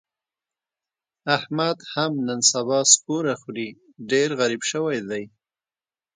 احمد هم نن سبا سپوره خوري، ډېر غریب شوی دی.